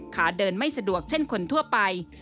ขาเดินไม่สะดวกเช่นคนทั่วไป